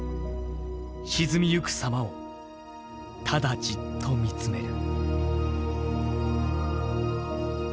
沈みゆくさまをただじっと見つめる。